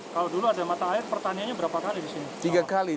kalau dulu ada mata air pertaniannya berapa kali di sini